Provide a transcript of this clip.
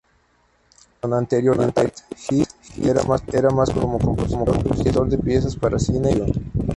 Con anterioridad, Hess era más conocido como compositor de piezas para cine y televisión.